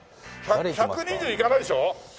１２０いかないでしょ？